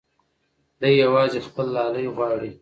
دی یوازې خپل لالی غواړي.